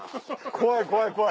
怖い怖い怖い。